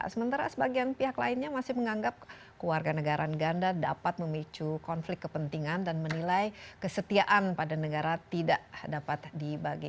sementara sebagian pihak lainnya masih menganggap keluarga negaraan ganda dapat memicu konflik kepentingan dan menilai kesetiaan pada negara tidak dapat dibagi